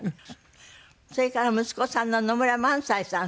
それから息子さんの野村萬斎さん。